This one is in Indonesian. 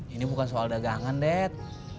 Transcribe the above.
ini bukan soal dagangan dek